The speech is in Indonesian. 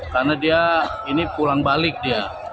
karena dia ini pulang balik dia